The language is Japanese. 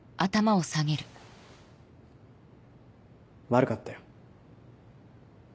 悪かったよ。